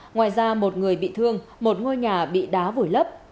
ngoài ra một người bị thương một ngôi nhà bị đá vùi lấp